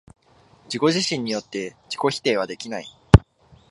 自己自身によって自己否定はできない。